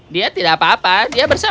dia tidak apa apa dia bersalah